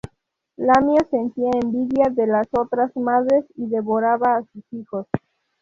Lamia sentía envidia de las otras madres y devoraba a sus hijos.